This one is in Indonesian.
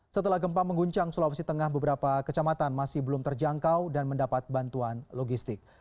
setelah gempa mengguncang sulawesi tengah beberapa kecamatan masih belum terjangkau dan mendapat bantuan logistik